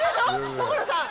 所さん